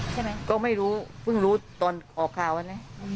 ใช่ไหมก็ไม่รู้เพิ่งรู้ตอนออกข่าววันนั้น